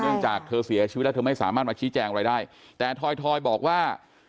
จากเธอเสียชีวิตแล้วเธอไม่สามารถมาชี้แจงอะไรได้แต่ทอยทอยบอกว่า